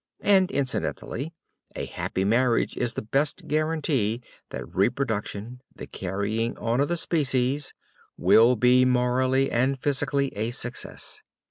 And incidentally, a happy marriage is the best guarantee that reproduction, the carrying on of the species, will be morally and physically a success.